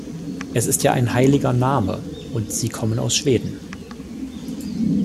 Es ist ja ein heiliger Name, und Sie kommen aus Schweden.